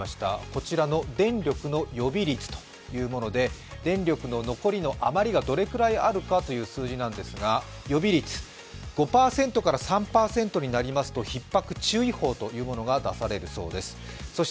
こちらの電力の予備率というもので電力の残りの余りがどれくらいあるかという数字なんですが、予備率、５％から３％になりますとひっ迫注意報というのが出されるそうです。